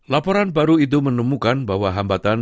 laporan baru itu menemukan bahwa hambatan